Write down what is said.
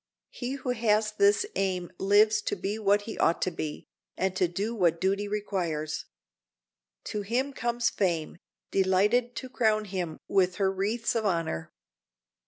He who has this aim lives to be what he ought to be, and to do what duty requires. To him comes fame, delighted to crown him with her wreaths of honor.